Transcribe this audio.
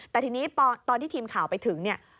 แต่ทีนี้ตอนที่ทีมข่าวไปถึงเนี่ย